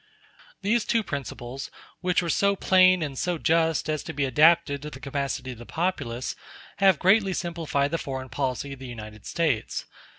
These two principles, which were so plain and so just as to be adapted to the capacity of the populace, have greatly simplified the foreign policy of the United States.